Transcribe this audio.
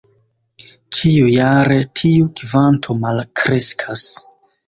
Ĉiujare tiu kvanto malkreskas.